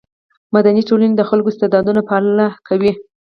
مدني ټولنې د خلکو استعدادونه فعاله کوي.